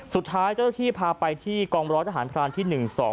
สุดท้ายเจ้าที่พาไปที่กองร้อนอาหารพลานที่๑๒๐๑